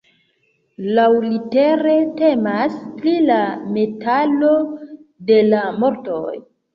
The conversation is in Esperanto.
Laŭlitere, temas pri la metalo de la mortoj.